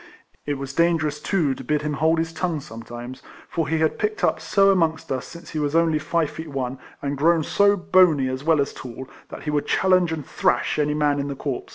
It was dangerous, too, to bid him hold his tongue sometimes ; for he had picked up so amongst us since he was only five feet one, and grown so bony as well as tall, that he would challenge and thrash any man in the corps.